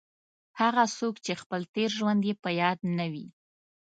هغه څوک چې خپل تېر ژوند یې په یاد نه وي.